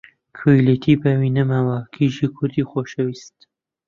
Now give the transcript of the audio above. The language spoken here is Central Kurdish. کۆیلەتی باوی نەماوە، کیژی کوردی خۆشەویست!